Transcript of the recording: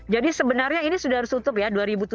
jadi ini sudah harus ditutup ya dua ribu tujuh belas